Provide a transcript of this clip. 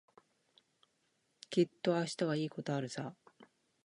きっと明日はいいことあるさ。